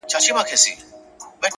پوهه د انسان لید پراخوي.!